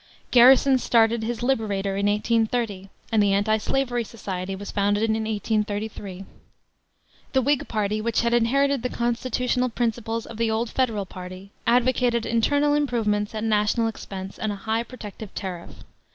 Garrison started his Liberator in 1830, and the Antislavery Society was founded in 1833. The Whig party, which had inherited the constitutional principles of the old Federal party, advocated internal improvements at national expense and a high protective tariff.